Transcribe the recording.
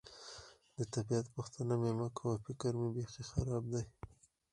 د طبیعت پوښتنه مې مه کوه، فکر مې بېخي خراب دی.